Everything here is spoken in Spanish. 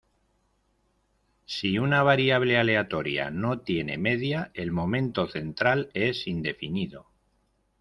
Si una variable aleatoria no tiene media el momento central es indefinido.